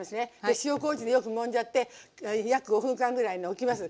塩こうじでよくもんじゃって約５分間ぐらいおきます。